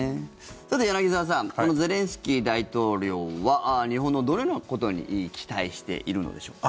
さて、柳澤さんゼレンスキー大統領は日本のどのようなことに期待しているのでしょうか。